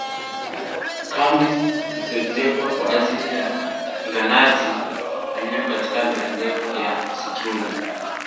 Kambi zilizojengwa kwa ajili ya wapiganaji walio katika maeneo ya msituni